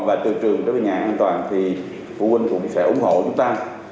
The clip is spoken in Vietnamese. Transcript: và từ trường đến nhà an toàn thì phụ huynh cũng sẽ ủng hộ chúng ta